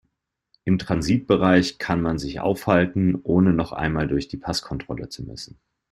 Im Transitbereich kann man sich aufhalten, ohne noch einmal durch die Passkontrolle zu müssen.